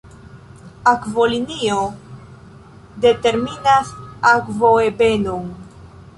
Akvolinio determinas akvoebenon.